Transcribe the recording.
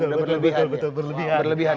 soalnya itu udah berlebihan